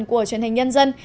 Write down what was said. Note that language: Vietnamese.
của truyền hình nhân dân